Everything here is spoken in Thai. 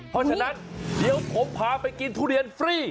เพราะฉะนั้นเดี๋ยวผมพาไปกินทุเรียนฟรี